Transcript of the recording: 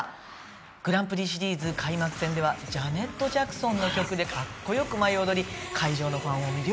グランプリシリーズ開幕戦ではジャネット・ジャクソンの曲でかっこよく舞い踊り会場のファンを魅了。